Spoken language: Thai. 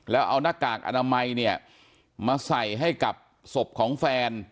แล้วเอาหน้ากากอนามัยเนี่ยมาใส่ให้กับศพของแฟน